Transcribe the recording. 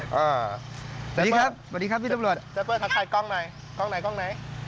อ่าสวัสดีครับสวัสดีครับพี่จับหลวดจับหลวดทักทายกล้องใหม่กล้องไหนกล้องไหน